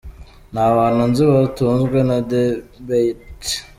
Nta bantu nzi batunzwe na debate.